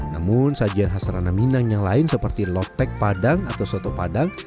namun sajian khas ranah minang yang lain seperti lotek padang atau soto padang